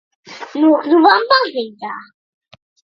Nokļuvām baznīcā.